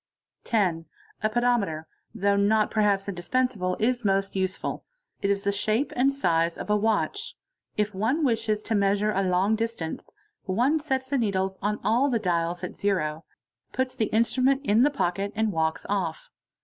10. A pedometer, though not perhaps indispensible, is most useful it is the shape and size of a watch. If one wishes to measure a long dis tance, one sets the needles on all the dials (units, tens, &c.) at zero, put the instrument in the pocket and walks off.